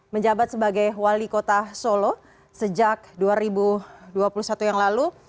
menjabat sebagai wali kota solo sejak dua ribu dua puluh satu yang lalu